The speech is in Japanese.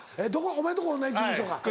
お前のとこ同じ事務所か。